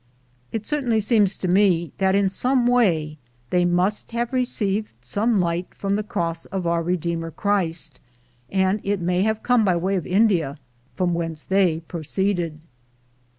It certainly seems to me that in some way they must have re ceived some light from the cross of Our Redeemer, Christ, and it may have come by way of India, from whence they proceeded.